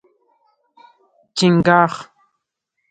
🦀 چنګاښ